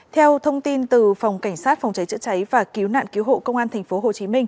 theo thông tin từ phòng cảnh sát phòng cháy chữa cháy và cứu nạn cứu hộ